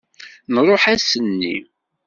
Nruḥ ass-nni.